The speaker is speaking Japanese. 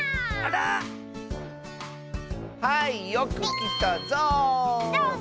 はいよくきたゾウ！